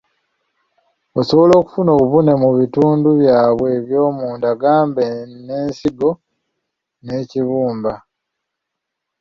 Osobola okufuna obuvune mu bitundu byabwe eby'omunda, gamba ng’ensigo n’ekibumba.